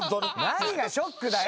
何がショックだよ！